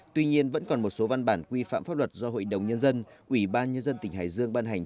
tuy nhiên vẫn còn một số văn bản quy phạm pháp luật do hội đồng nhân dân ủy ban nhân dân tỉnh hải dương ban hành